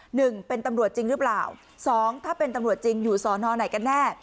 หนึ่งเป็นตำรวจจริงหรือเปล่าสองถ้าเป็นตำรวจจริงอยู่สอนอไหนกันแน่